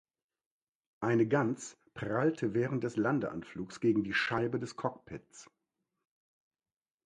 Eine Gans prallte während des Landeanflugs gegen die Scheibe des Cockpits.